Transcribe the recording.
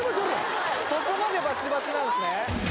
そこまでバチバチなんですね？